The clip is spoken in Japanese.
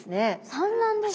産卵ですか。